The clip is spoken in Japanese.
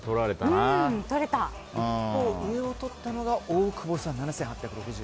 一方、上をとったのが大久保さん、７８６０円。